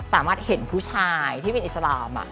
สามารถเห็นผู้ชายที่เป็นอิสลาม